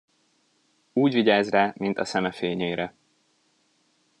Úgy vigyáz rá, mint a szeme fényére.